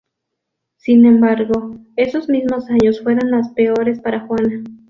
Sin embargo, esos mismos años fueron los peores para Juana.